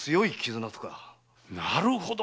なるほど！